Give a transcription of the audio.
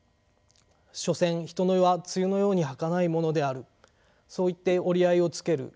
所詮人の世は露のようにはかないものであるそういって折り合いをつける。